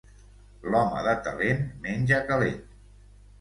L'home de talent menja calent.